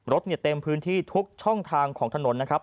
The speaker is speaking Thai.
รถเต็มพื้นที่ทุกช่องทางของถนนนะครับ